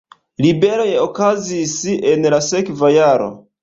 Ribeloj okazis en la sekva jaro.